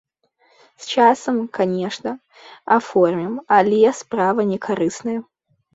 З часам, канечне, аформім, але справа не карысная.